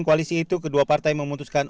koalisi itu kedua partai memutuskan